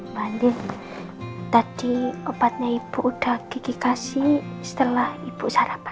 mbak andi tadi obatnya ibu udah kiki kasih setelah ibu sarapan